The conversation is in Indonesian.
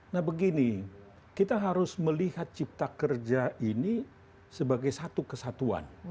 nah begini kita harus melihat cipta kerja ini sebagai satu kesatuan